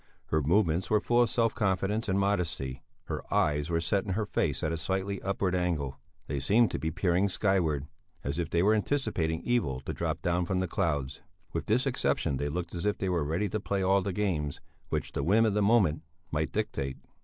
Her movements were full of self confidence and modesty; her eyes were set in her face at a slightly upward angle; they seemed to be peering skyward as if they were anticipating evil to drop down from the clouds; with this exception they looked as if they were ready to play all the games which the whim of the moment might dictate.